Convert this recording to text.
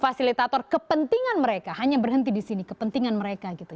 fasilitator kepentingan mereka hanya berhenti di sini kepentingan mereka gitu